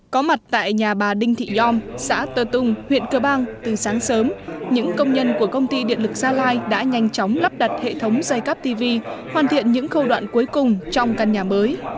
có mặt tại nhà bà đinh thị yom xã tơ tung huyện cơ bang từ sáng sớm những công nhân của công ty điện lực gia lai đã nhanh chóng lắp đặt hệ thống dây cắp tv hoàn thiện những khâu đoạn cuối cùng trong căn nhà mới